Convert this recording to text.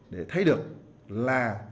để thấy được là